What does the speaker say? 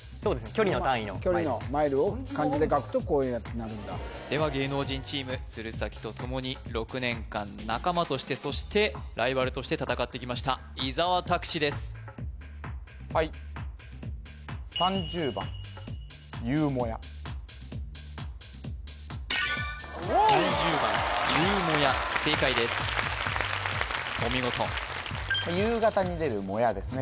距離の単位の距離のマイルを漢字で書くとこうなるんだでは芸能人チーム鶴崎とともに６年間仲間としてそしてライバルとして戦ってきました伊沢拓司ですはい３０番ゆうもや正解ですお見事夕方に出るもやですね